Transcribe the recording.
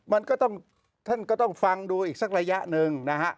มันก็ต้องท่านก็ต้องฟังดูอีกสักระยะหนึ่งนะฮะ